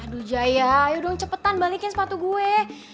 aduh jaya ayo dong cepetan balikin sepatu gue